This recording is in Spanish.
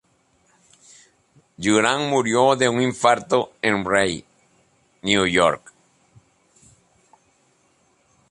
Juran murió de un infarto en Rye, Nueva York.